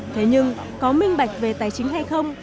thế nhưng có minh bạch về tài chính hay không